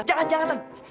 jangan jangan tante